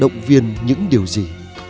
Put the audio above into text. động viên những điều gì